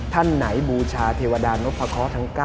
ท่านไหนบูชาเทวดานพะเคาะทั้ง๙